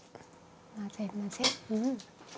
混ぜ混ぜ。